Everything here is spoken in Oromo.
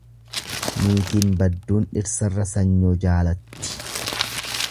Niitiin badduun dhirsarra sanyoo jaalatti.